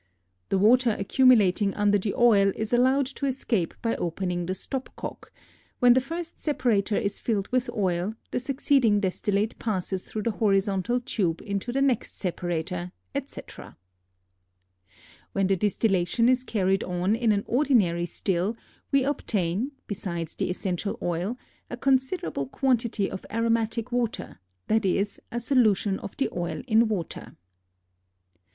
The water accumulating under the oil is allowed to escape by opening the stop cock; when the first separator is filled with oil, the succeeding distillate passes through the horizontal tube into the next separator, etc. [Illustration: FIG. 14.] When the distillation is carried on in an ordinary still, we obtain, besides the essential oil, a considerable quantity of aromatic water, that is, a solution of the oil in water.